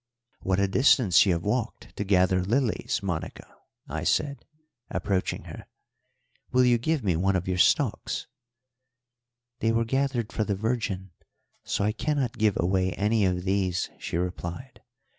"What a distance you have walked to gather lilies, Monica!" I said, approaching her. "Will you give me one of your stalks?" "They were gathered for the Virgin, so I cannot give away any of these," she replied.